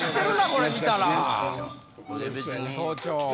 これ見たら早朝。